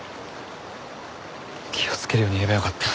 気をつけるように言えばよかった。